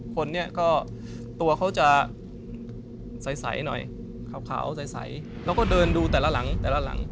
คนเนี่ยก็ตัวเขาจะใสหน่อยขาวใสแล้วก็เดินดูแต่ละหลัง